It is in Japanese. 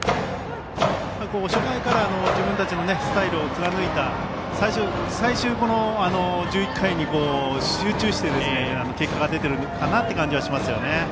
初回から自分たちのスタイルを貫いてこの最終１１回に集中して結果が出ているのかなという感じがしますよね。